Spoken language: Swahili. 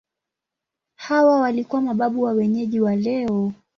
Hawa walikuwa mababu wa wenyeji wa leo.